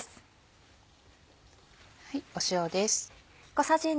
塩です。